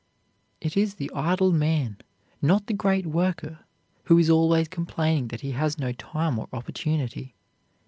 It is the idle man, not the great worker, who is always complaining that he has no time or opportunity.